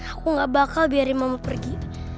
aku nggak bakal biarin mama pergi